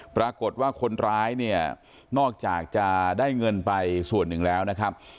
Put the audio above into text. ปรากฏว่าคนร้ายเนี่ยนอกจากจะได้เงินไปส่วนหนึ่งแล้วนะครับ